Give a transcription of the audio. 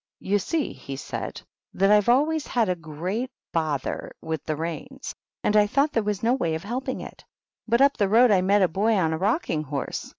" You see," he said, " that I've always had a great bother with the reins, and I thought there was no way of helping it. But up the road I met a boy on a rocking horse.